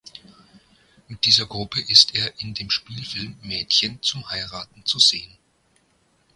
Mit dieser Gruppe ist er in dem Spielfilm Mädchen zum Heiraten zu sehen.